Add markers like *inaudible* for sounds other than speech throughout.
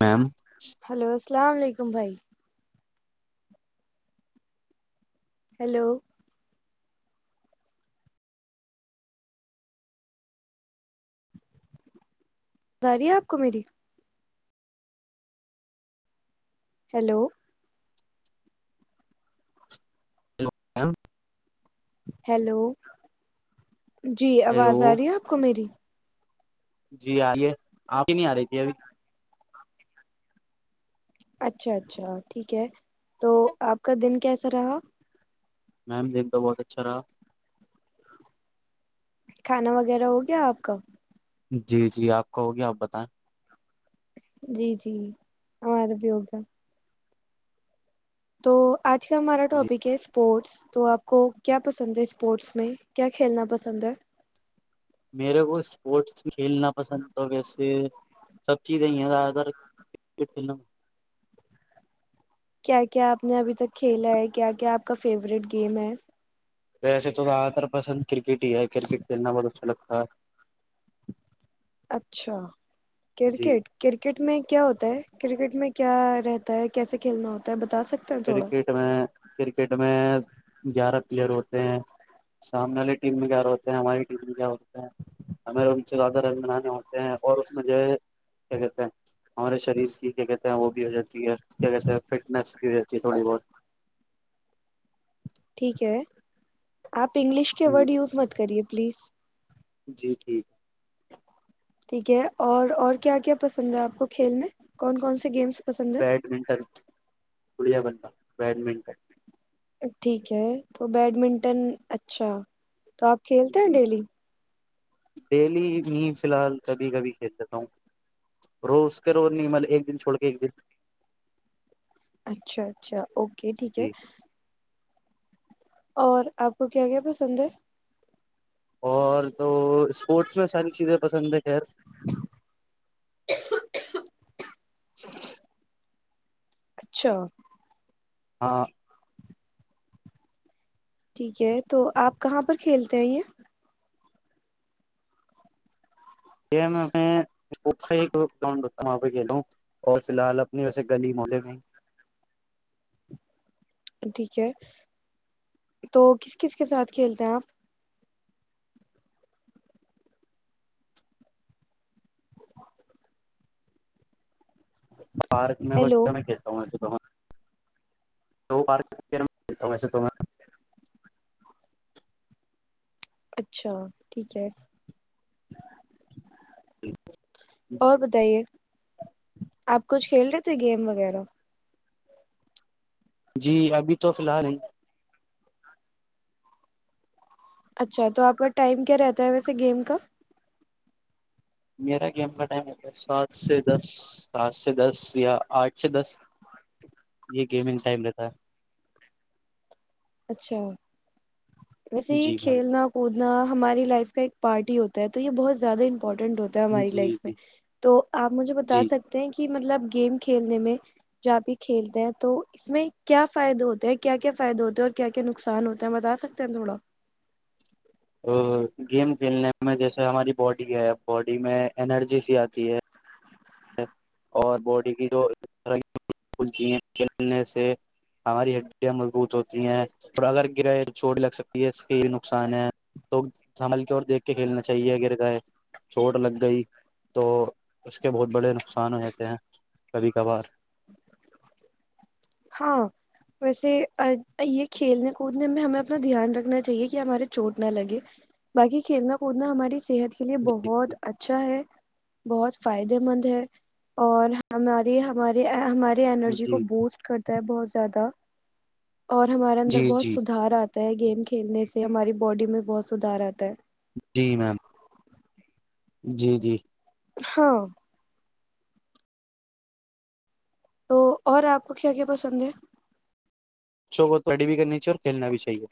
میم hello السلام علیکم بھائی ہیلو رہی ہے آپ کو میری ہیلو م ہیلو جی ہیلو آواز آ رہی ہے آپ کو میری جی آئیے آ کی نہیں آ رہی تھی ابھی اچھا اچھا ٹھیک ہے تو آپ کا دن کیسا رہا میم دیکھتا بہت اچھا رہا کھانا وغیرہ ہو گیا آپ کا جی جی آپ کا ہوگیا آپ بتائیں جی جی ہمارا بھی ہوگا تو آج کا ہمارا جی ٹاپک ہے اسپورٹس تو آپ کو کیا پسند ہے اسپورٹس میں کیا کھیلنا پسند ہے میرے کو اسپورٹس کھیلنا پسند تو ویسے سب چیزیں *inaudible* کیا کیا آپ نے ابھی تک کھیلا ہے کیا کیا آپ کا فیوریٹ گیم ہے ویسے تو زیاد تر پسند کرکٹ ہی ہے کرکٹ کھیلنا بہت اچھا لگتا ہے ہاں اچھا جی کرکٹ کرکٹ میں کیا ہوتا ہے کرکٹ میں کیا رہتا ہے کیسے کھیلنا ہوتا ہے بتا سکتے ہیں تھوڑا کرکٹ میں کرکٹ میں گیارہ پلیئر ہوتے ہیں سامنے والی ٹیم میں گیارہ ہوتے ہیں ہماری ٹیم میں گیار ہوتے ہیں ہمیں ان سے زیادہ رن بنانے ہوتے ہیں اور اس میں جو ہے کیا کہتے ہیں ہمارے شریر کی کیا کہتے ہیں وہ بھی ہو جاتی ہے کیا کہتے ہیں فٹنس فی تھوڑی بہت ٹھیک ہے آپ انگلش کے ورڈ یوز مت کریے پلیز جی ٹھیک ٹھیک ہے اور اور کیا کیا پسند ہے آپ کو کھیل میں کون کون سے گیمس پسند بیڈمنٹن گڑیا بنند بیڈمنٹن ٹھیک ہے تو بیڈمنٹن اچھا تو آپ کھیلتے ہیں جی ڈیلی ڈیلی میں فی الحال کبھی کبھی کھیل دیتا ہوں رو اس کے روز نہیں مل ایک دن چھوڑ کے ایک دن اچھا اچھا اوکے ٹھیک ہے جی اور آپ کو کیا کیا پسند ہے اور تو اسپورٹس میں ساری چیزیں پسند ہیں خیر *inaudible* *inaudible* اچھا ہاں ٹھیک ہے تو آپ کہاں پر کھیلتے ہیں یہ گاؤڈ ہوتا وہاں پہ کھیلوں اور فی الحال اپنے ویسے گلی ملے میں ٹھیک ہے تو کس کس کے ساتھ کھیلتے ہیں آپ پارک میں ہیلو میں کہتا ہوں ایسے تو دوار توم سے توم اچھا ٹھیک ہے جٹ اور بتائیے آپ کچھ کھیل رہے تھے گیم وغیرہ جی ابھی تو فی الحال نہیں اچھا تو آپ کا ٹائم کیا رہتا ہے ویسے گیم کا میرا گیم کا ٹائم ہوتا ہے سات سے دس سات سے دس یا آٹھ سے دس یہ گیمنگ ٹائم رہتا ہے اچھا ویسے ہے ہی جی میم کھیلنا کودنا ہماری لائف کا ایک پارٹ ہی ہوتا ہے تو یہ بہت زیادہ ہو ہم ل جی جی تو آپ مجھ جی بتاتے ہیں مطلب گیم کھیلنے میں ج آپ یہ کھیلتے ہیں تو اس میں کیا فائدے ہوتے ہیں کیا کیا فائدہ ہوتے ہیں اور کیا کیا نقصان ہوتا ہیں بتا سکتے تھوڑا اور گیم کھیلنے میں جیسے ہماری باڈی ہے باڈی میں انرجی سی آتی ہے اور باڈی کی جو طرح کلتی ہیں کھیلنے سے ہماری ہڈیاں مضبوط ہوتی ہیںو اگر گرائے چھوٹ لگ سکتی ہے اس کے نقصان ہے تو سنبل کے اور دیکھ کے کھیلنا چاہیے گر گائے چھوٹ لگ گئی تو اس کے بہت بڑے نقصان ہو جاتے ہیں کبھی کبھار ہاں ویسے یہ کھیلنے کودنے میں ہمیں اپنا دھیان رکھنا چاہیے کہ ہمارے چوٹ نہ لگے باقی کھیلنا کودنا ہماری صحت اس کے لیے جی بہت اچھا ہے بہت فائدے مند ہے اور ہماری ہماری ہماراری انینرجی جی کو بوسٹ کر بہت زیادہ اور ہمارے جی اندر بہت جی سدار آتا ہے گیم کھیلنے سے ہماری باڈی میں بہت سدھار آتا ہے جی میم جی جی ہاں تو اور آپ کو کیا کیا پسند ہے اچو کووڈی بھی کر چاہی اور کھیلنا بھی چاہیے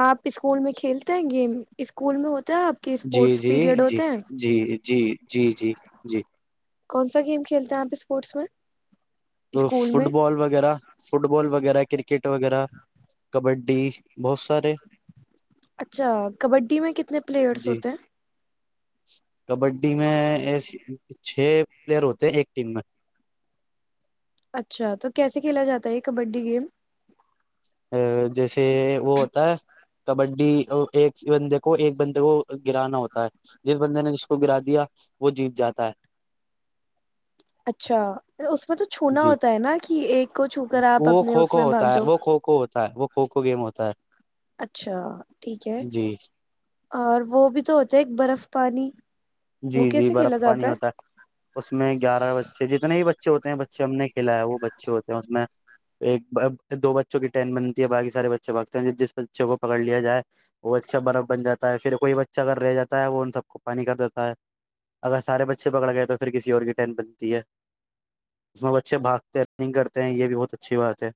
آپ اسکول میں کھیلتے ہیں گیم اسکول میں ہو جی جی جی جی جی جی جی جی کون سا گیم کھیلتے ہیں آپ اسپورٹس میں تو اسکول فٹ میں بال وغیرہ فٹ بال وغیرہ کرکٹ کرکٹ وغیرہ کبڈی ڈی بہت سارے اچھا کبڈی میں کتنے پلیئرس جی ہوتے ہیں کبڈی میں چھ پلیئر ہوتے ایک ٹیم میں اچھا تو کیسے کھیلا جاتا ہے یہ کبڈی گیم ا جیسے وہ ہوتا ہے کبڈی ایک بندے کو ایک بندے کو گرانا ہوتا ہے جس بندے نے جس کو گرا دیا وہ جیت جاتا ہے اچھا اس میں تو چھونا جی ہوتا ہے نا کہ ایک کو چھو کر آپ وہ اپنے اس کھوکھو میں بھاگ ہوتا ہے جاؤ وہ کھوکھو ہوتا ہے وہ کھوکھو گیم ہوتا ہے اچھا ٹھیک ہے جی اور وہ بھی تو ہوتے ہے ایک برف پانی وہ جی جی کیسے برف کھیلا پانی جاتا ہوتا ہے اس میں گیارہ بچے جتنے بھی بچ بچے ہوتے ہیں بچے ہم نے کھیلا ہے وہ بچے ہوتے ہیں اس میں ایک دو بچوں کی ٹین بنتی ہے باقی سارے بچے باگتے ہیں جس بچے کو پکڑ لیا جائے وہ اچھا برف بن جا ہے پھر کوئی بچہ اگر رہ جا ہے وہ ان سب کو پانی کرتا اگر سارے بچے پکڑ گئے تو پھر کسی اور کی ٹٹ بنتی ہے اس میں بچے بھاگتے ہیں رننگ کرتے ہیں یہ بھی بہت اچھی بات ہے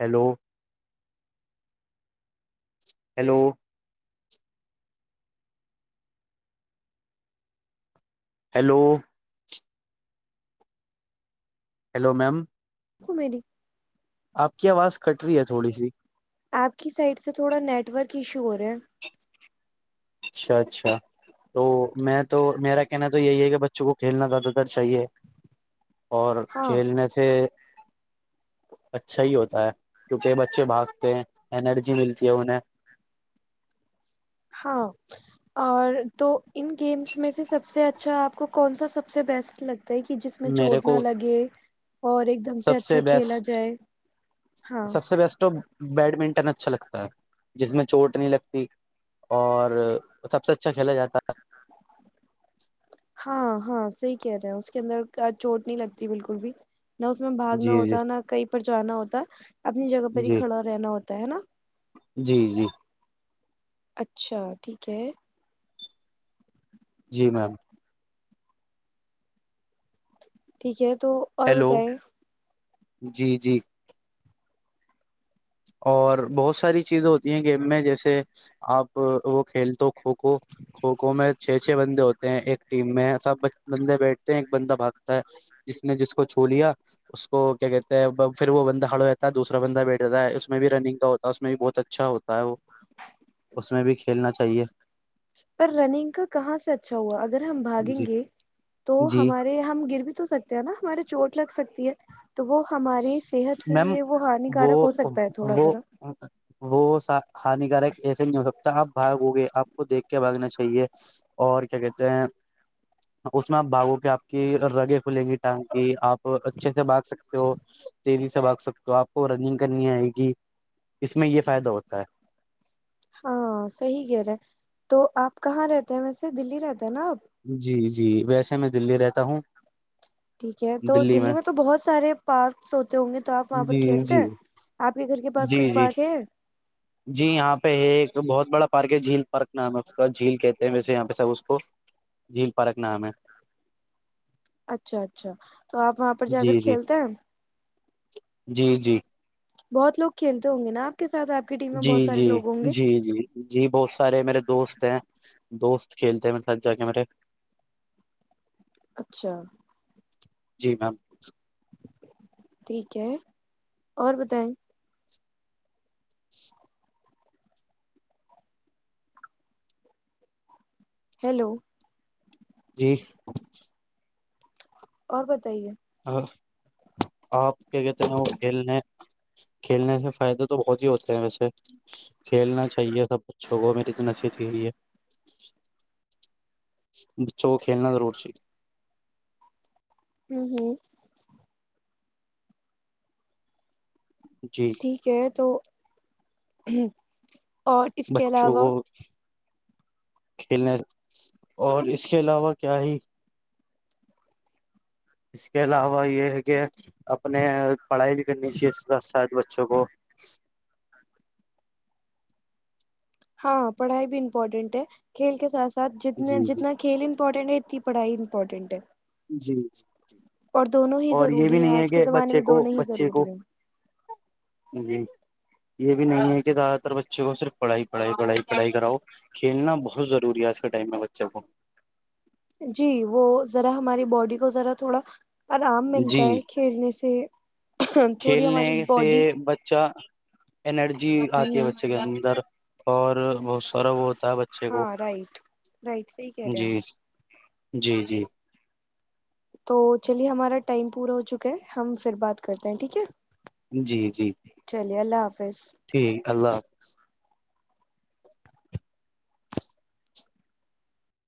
ہیلو ہیلو ہیلو ہیلو میم *inaudible* آپ کی آواز کٹ رہی ہے تھوڑی سی کشور ہے اچھا اچھا تو میں تو میرا کہنا تو یہی ہے کہ بچوں کو کھیلنا زیادہ تر چاہیے اور ہاں کھیلنے سے اچھا ہی ہوتا ہے کیونکہ بچے بھاگتے ہیں انرجی ملتی ہے انہیں ہاں اور تو ان گیمس میں سے سب سے اچھا آپ کو کون سا سب سے بیسٹ لگتا کہ جس میں میرے چوٹ کو نہ لگے اور ایک دم سے سب اچھا کھیلا بیسٹ جائے ہاں سب سے بیسٹ تو بیڈمنٹن اچھا لگتا ہے جس میں چوٹ نہیں لگتی اور سب سے اچھا کھیلا جاتا ہے ہاں ہاں صحی کہہ رہے ہیں اس کے اندر چوٹ نہیں لگتی بالکل بھی نہ اس میں ہے باگنا جی جی ہوتا نہ کہیں پر جانا ہوتا اپنی جگہ پر ہی جی کھڑا رہنا ہوتا ہے نا جی جی اچھا ٹھیک ہے جی میم ٹھیک ہے تو اور ہیلو بتائی جی جی اور بہت ساری چیزیں ہوتی ہیں گیم میں جیسے آپ وہ کھیل تو کھوکھو کھوکھو میں چھ چھ بندے ہوتے ایک ٹیم میں سب بندے بیٹھتے ہیں ایک بندہ بھاگتا ہے جس نے جس کو چھو لیا اس کو کیا کہتے ہیں پھر وہ بندہ ہڑ ہو جاتا ہے دوسا بندہ بیٹھ جاتا ہے میں بھی رنگ کا ہوتا اس میں بھی بہت اچھا ہوتا وہ اس میں بھی کھیلنا چاہیے پر رننگ کا کہاں سے اچھا ہوا اگر ہم بھاگیں جی گے تو جی ہمارے ہم گر بھی تو سکتے ہیں نا ہمارے چوٹ لگ سکتی ہے تو وہ ہماری صحت کے میم لیے وہ وہ ہانیکارک ہو سکتا ہے تھوڑا وہ ذرا وہ سا ہانیکارک ایسے نہیں ہو سکتا آپ بھاگو گئے آپ کو دیکھ کے بھگنا چاہیے کہیے اور کیا کہتے ہیں اس میں آپ بھاگو کے آپ کی رگے کھلیں گی ٹانک کی آپ اور اچھے سے باگ سکتے ہو تیزی سے بھاگ سکتے ہو آپ کو رننگ کرنی آئے گی اس میں یہ فائدہ ہوتا ہے ہاں صحیح کہہ رہے تو آپ کہاں رہتے ہیں ویسے دلی رہتے جناب جی جی ویسے میں دلی رہتا ہوں ٹھیک ہے تو دلی میں تو بہت سارے پارکس ہوتے ہوں گے تو آپ وہاں پر جی کھیلتے جی ہیں آپ کے گھر کے پاس جی کوئی جی پارک ہے جی یہاں پہ ہے ایک بہت بڑا پ جھیل پرکھ نام ہے اس کا جھیل کہتے ہیں ویسے یہاں پہ سب اس کو جھیل پرک نام ہے اچھا اچھا تو آپ وہاں پر جا کر جی جی کھیلتے ہیں جی جی بہت لوگ کھیلتے ہوں گے نا آپ کے ساتھ آپ کی ٹیم میں جی بہت سارے جی لوگ ہوں گے جی جی جی بہت سارے میرے دوست ہیں دوست کھیلتے ہیں میرے س جا کے میرے اچھا جی میم ٹھیک ہے اور بتائیں ہیلو جی اور بتائیے آپ کیا کہتے ہیں وہ کھیلنے کھیلنے سے فائدے تو بہت ہی ہوتے ہیں ویسے کھیلنا چاہیے سب بچوں کو میری تو نشیتی ہے اورچ چ وہ کھیلنا ضرور چاہی ہوں ہوں جی ٹھیک ہے تو ہوں اور اس کے بچوں علاوہ کو کھیلنے اور اس کے علاوہ کیا ہی اس کے علاوہ یہ ہے کہ اپنے پڑھائی بھی کرنی چاہیے اس شاید بچوں کو ہاں پڑھائی بھی امپورٹینٹ ہے کھیل کے ساتھ سر جتنے جی جی جتنا کھیل امپورٹنٹ ہے کی پڑھائی امپورٹنٹ ہے جی جی اور دونوں ہی ضروری ہے آج کے زمانے بچے میں کو دونوں ہی بچے کو ضروری ہے جی یہ بھی نہیں ہے کہ زیادہ تر بچوں کو صرف پڑھائی پڑھائی پڑھائی پڑھائی کراؤ کھیلنا بہت ضروری ہے آج کے ٹائم میں بچوں کو جی وہ ذرا ہماری باڈی کو ذرا تھوڑا آرام جی ملتا ہے کھیلنے سے تھوڑی کھیلنے ہماری باڈی اینرجی آتی ہے ہ بچے کے اندر اور بہت سارا وہ ہوتا ہے بچے کو ہاں رائٹ رائٹ صحیح کہہ رہے ہیں جی آپ جی جی تو چلیے ہمارا ٹائم پورا ہو چکا ہے ہم پھر بات کرتے ہیں ٹھیک ہے جی جی ک لھ فس ٹھیک اللہ ح